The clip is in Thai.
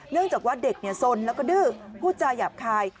จากว่าเด็กสนแล้วก็ดื้อพูดจาหยาบคาย